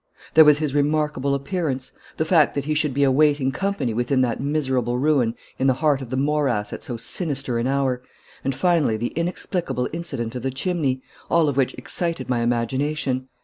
There was his remarkable appearance, the fact that he should be awaiting company within that miserable ruin in the heart of the morass at so sinister an hour, and finally the inexplicable incident of the chimney, all of which excited my imagination.